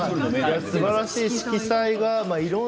すばらしい色彩ですね。